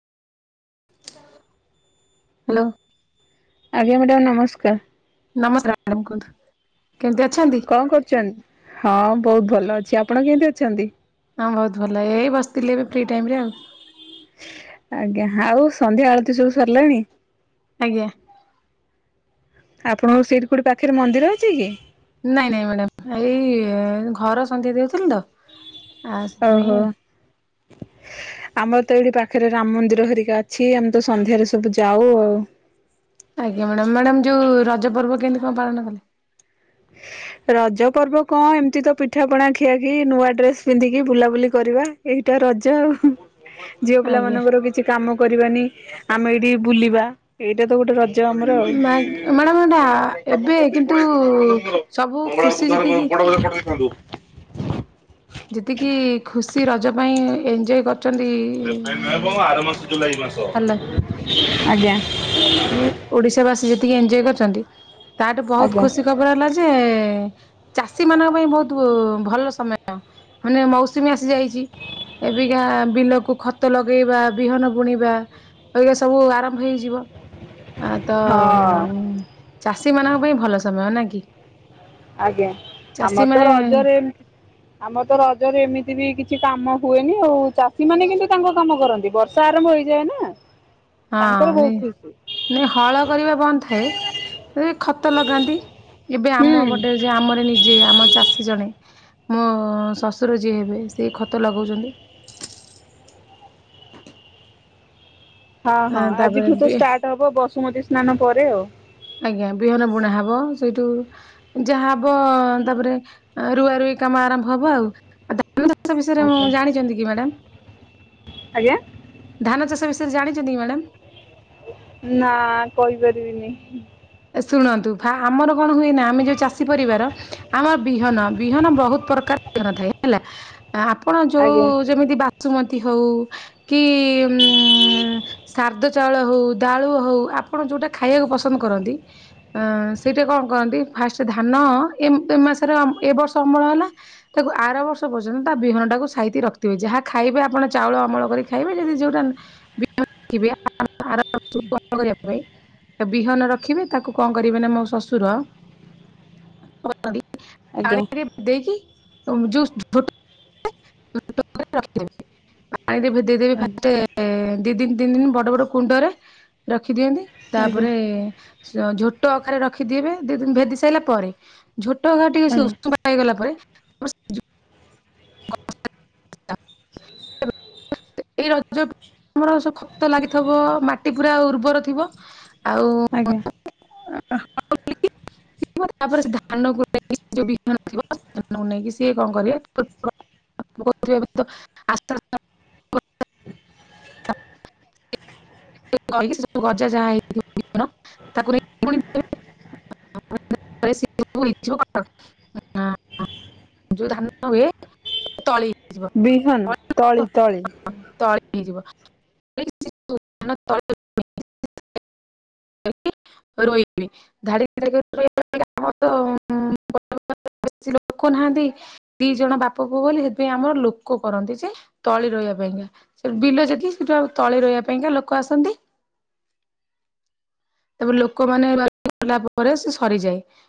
Hello. ଆଜ୍ଞା ମ୍ୟାଡ଼ା ନମସ୍କାର। ନମ ସ୍କାର ମ୍ୟାଡ଼ାମ କୁହନ୍ତୁ କେମିତି ଅଛନ୍ତି। କଣ କରୁଚନ୍ତି? ହଁ ବୋହୁତ ଭଲ ଅଛି ଆପଣ କେମିତି ଅଛନ୍ତି? ହଁ ବହୁତ ଭଲ ଏଇ ବସିଥିଲି ଏବେ ଫ୍ରି ଟାଇମରେ ଆଉ। ଆଜ୍ଞା ଆଉ ସନ୍ଧ୍ୟା ଆଳତି ସବୁ ସରିଲାଣି। ଆଜ୍ଞା। ଆପଣଙ୍କ ସିଇଟିକୋଉଟି ପାଖରେ ମନ୍ଦିର ଅଛି କି? ନାଇଁ ନାଇଁ ମ୍ୟାଡ଼ାମ ଏଇ ଘର ସନ୍ଧ୍ୟା ଦେଉଥିଲି ତ। ଆ ସେଥିପାଇଁ ଓହୋ। ଆମର ତ ଏଇଟି ପାଖରେ ରାମ ମନ୍ଦିର ହରିକା ଅଛି ଆମେ ତ ସନ୍ଧ୍ୟାରେ ସବୁ ଯାଉ ଆଉ। ଆଜ୍ଞା ମ୍ୟାଡାମ ମ୍ୟାଡାମ ଯୋଉ ରଜ ପର୍ବ କେମିତି କଣ ପାଳନ କଲେ। [inaudible] ରଜ ପର୍ବ କଁ ଏମତି ତ ପିଠା ପଣା ଖିଆ କି ନୂଆ ଡ୍ରେସ ପିନ୍ଧିକି ବୁଲାବୁଲି କରିବା। ଏଇଟା ରଜ ଆଉ। ଝିଅ ଆଜ୍ଞା ପିଲାମାନଙ୍କର କିଛି କାମ କରିବାନି ଆମେ ଏଇଟି ବୁଲିବା ଏଇଟା ତ ଗୋଟେ ରଜ। ଆମର ଆଉ। ମ୍ୟାଡ଼ାମ ଏଟା ଏବେ କିନ୍ତୁ [unintelligible] ସବୁ ମଙ୍ଗଳବାର ଖୁସି ବୁଧବାର ଯେତିକି ବଡ ବଜେଟ ପଟେଇଥାନ୍ତୁ। ଯେତିକି ଖୁସି ରଜ ପାଇଁ ଏଞ୍ଜୟ କରିଚନ୍ତି। ଏବେ ନୁହେଁ ବ ଆର ମାସ ଜୁଲାଇ ମାସ। ହ୍ୟାଲୋ ଆଜ୍ଞା। ଉଁ ଓଡିଶା ବାସୀ ଯେତିକି ଏଞୟ କରିଚନ୍ତି। ତାଟୁ ବହୁତ ଆଜ୍ଞା। ଖୁସି ଖବର ହେଲା ଯେ ଚାଷୀମାନଙ୍କ ପାଇଁ ବୋହୁତୁ ଭଲ ସମୟ। ମାନେ ମୌସୁମୀ ଆସି ଯାଇଚି ଏବିକା ବିଲକୁ ଖତ ଲଗେଇବା ବିହନ ବୁଣିବା ବା ଅବିକା ସବୁ ଆରମ୍ଭ ହେଇଯିବ ଆ ତ ହଁ। ଚାଷୀମାନଙ୍କ ପାଇଁ ଭଲ ସମୟ ନା କି? ଆଜ୍ଞା ଚାଷୀ ଆମର ତ ମାନେ ରଜରେ ଏମ୍ ଆମର ତ ରଜରେ ଏମିତି ବି କିଛି କାମ ହୁଏନି ଆଉ। ଚାଷୀମାନେ କିନ୍ତୁ ତାଙ୍କ କାମ କରନ୍ତି ବର୍ଷା ଆରମ୍ଭ ହେଇଯାଏ ନା। ତାଙ୍କର ହଁ ବହୁତ ଖୁସି ନେଇଁ ହଳ କରିବା ବନ୍ଦ ଥାଏ। [unintelligible] ଖତ ଲଗାନ୍ତି ଏବେ ଆମ ହୁଁ ଗୋଟେ ଆମର ନିଜେ ଆମ ଚାଷୀ ଜଣେ ମୋ ଶଶୁର ଯିଏ ହେବେ ସିଏ ଖତ ଲଗଉଚନ୍ତି। ହଁ ହଁ ଆଁ ତାପରେ ଆଜିଠୁ ତ ବି ଷ୍ଟାର୍ଟ ହବ ବସୁମତୀ ସ୍ନାନ ପରେ ଆଉ। ଆଜ୍ଞା। ବିହନ ବୁଣା ହବ ସେଇଠୁ ଯାହା ହବ ତାପରେ ରୁଆ ରୁଇ କାମ ଆରମ୍ଭ ହବ ଆଉ। ଆ ଧାନ ଚାଷ ବିଷୟରେ ଆଜ୍ଞା ଜାଣିଚନ୍ତି କି ମ୍ୟାଡମ? ଆଜ୍ଞା? ଧାନ ଚାଷ ବିଷୟରେ ଜାଣିଚନ୍ତି କି ମ୍ୟାଡ଼ାମ? ନା କହିପାରିବିନି। ଶୁଣନ୍ତୁ, ଫା ଆମର କଣ ହୁଏ ନା ଆମେ ଯୋଉ ଚାଷୀ ପରିବାର ଆମର ବିହନ ବିହନ ବହୁତ ପ୍ରକାର ବିହନ ଥାଏ ହେଲା। [inaudible] ଆପଣ ଯୋଉ ଆଜ୍ଞା ଯେମିତି ବାସୁମତୀ ହଉ କି। [unintelligible] ଚାଉଳ ହଉ ଦାଳୁ ହଉ ଆପଣ ଯୋଉଁଟା ଖାଇବାକୁ ପସନ୍ଦ କରନ୍ତି ଅ ସେଇଟା କଣ କରନ୍ତି ଫାଷ୍ଟ ଧାନ ଏ ମ ଏ ମାସରେ ଏ ବର୍ଷ ଅମଳ ହେଲା। ତାକୁ ଆର ବର୍ଷ ପର୍ଯ୍ୟନ୍ତ ତା ବିହନଟାକୁ ସାଇତି ରଖିଥିବେ। ଯାହା ଖାଇବେ ଆପଣ ଚାଉଳ ଅମଳ କରି ଖାଇବେ। ଯଦି ଯୋଉଟା [unintelligible] ବିହନ ର ରଖି। ତାକୁ କଣ କରିବେ ନା ମୋ ଶଶୁର [unintelligible] ଆଜ୍ଞା ପାଣିରେ ଦେଇକି ଯୋଉ [unintelligible] ପାଣିରେ ଭେ ଦେଇଦେବେ ଆଜ୍ଞା ଫାଷ୍ଟ ଦି ଦିନି ତିନି ଦିନି ବଡ ବଡ କୁଣ୍ଡରେ ରଖିଦିଅନ୍ତି। ଆଜ୍ଞା ତାପରେ ଝୋଟ ଅଖାରେ ରଖିଥିବେ ଦି ଦିନି ଭେଦି ସାରିଲା ପରେ। ଝୋଟ ଅଖା ଟିକେ ସେ ଆଜ୍ଞା ଉଷୁମ ହେଇଗଲା ପରେ ହ [inaudible] ଏଇ ରଜ ଆମର ସବୁ ଖତ ଲାଗିଥବ ମାଟି ପୁରା ଉର୍ବର ଥିବ। ଆଉ ଆଜ୍ଞା। [unintelligible] ତାପରେ ଧାନ ପାଇଁ ଯୋଉ ବିହନ ଥିବ ନେଇକି ସିଏ କଣ କରିବେ। [unintelligible] କହିିକି ସେ ଗଜା ଯାହା ହେଇଥିବ ବିହନ ତାକୁ ନେଇ ପୁଣି। [unintelligible] [unintelligible] ଯୋଉ ଧାନ ହୁଏ ତଳି ହେଇଯିବ ବିହନ ତଳି [unintelligible] ତଳି ହେଇଯିବ। [unintelligible] ରହିବିନି [unintelligible] ଆମର ତ ବେଶୀ ଲୋକ କୁହାନ୍ତି। ଦି ଜଣ ବାପ ପୁଅ ଗଲେ ସେଥିପାଇଁ ଆମର ଲୋକ କରନ୍ତି ଯେ ତଳି ରେଇବା ପାଇଁ କା। ସେ ବିଲ ଯେତିକି ସେଠୁ ତଳି ରେଇବା ପାଇଁକା ଲୋକ ଆସନ୍ତି। ତାପରେ ଲୋକ ମାନେ ବାଛିଲା ପରେ ସେ ସରିଯାଏ।